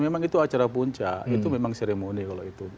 memang itu acara puncak itu memang seremoni kalau itu